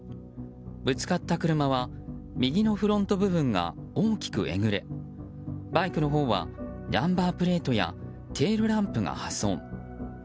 ぶつかった車は右のフロント部分が大きくえぐれバイクのほうはナンバープレートやテールランプが破損。